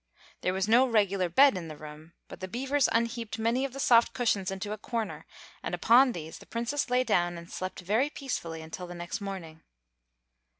There was no regular bed in the room, but the beavers heaped many of the soft cushions into a corner, and upon these the Princess lay down and slept very peacefully until the next morning.